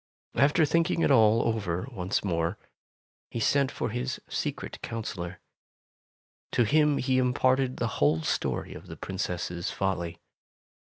After thinking it all over once more, he Tales of Modern Germany 69 sent for his secret counsellor. To him he imparted the whole story of the Princess' folly.